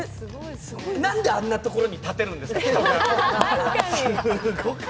なんであんなところに立てるんですか！？